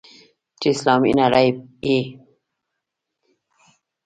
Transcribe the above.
چې اسلامي نړۍ یې.